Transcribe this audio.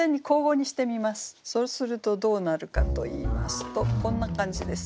そうするとどうなるかといいますとこんな感じです。